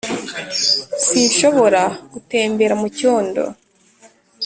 sinshobora gutembera mu cyondo. '